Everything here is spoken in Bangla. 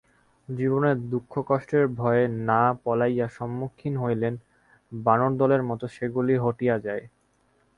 জীবনের দুঃখ-কষ্টের ভয়ে না পলাইয়া সম্মুখীন হইলেই বানরদলের মত সেগুলি হটিয়া যায়।